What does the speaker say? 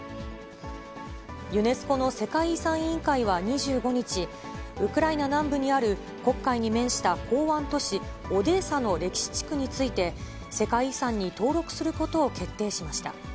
ユネスコの世界遺産委員会は２５日、ウクライナ南部にある黒海に面した港湾都市オデーサの歴史地区について、世界遺産に登録することを決定しました。